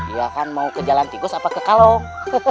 iya kan mau ke jalan tikus apa ke kalong